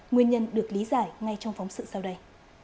nguyên nhân được lý giải ngay trong phóng sự sau đây